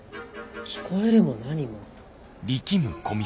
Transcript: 聞こえるも何も。